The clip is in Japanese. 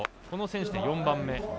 この選手で４番目。